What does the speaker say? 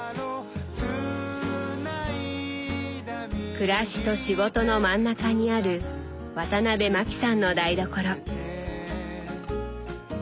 暮らしと仕事の真ん中にあるワタナベマキさんの台所。